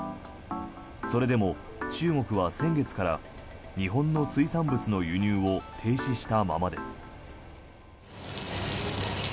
それでも、中国は先月から日本の水産物の輸入を停止したままです。